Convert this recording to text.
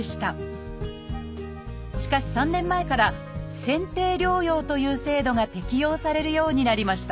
しかし３年前から選定療養という制度が適用されるようになりました。